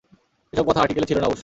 এসব কথা আর্টিকেলে ছিল না অবশ্য।